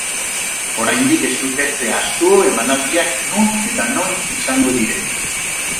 Oraindik ez dute zehaztu emanaldiak non eta noiz izango diren.